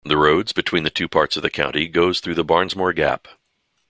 The road between the two parts of the county goes through the Barnesmore Gap.